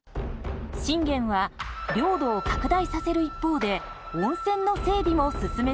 信玄は領土を拡大させる一方で温泉の整備も進めていきます。